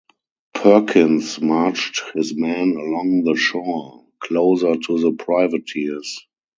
Perkins marched his men along the shore, closer to the privateers.